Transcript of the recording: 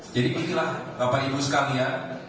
jadi inilah bapak ibu sekalian